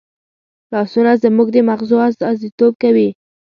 لاسونه زموږ د مغزو استازیتوب کوي